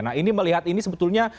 nah ini melihat ini sebetulnya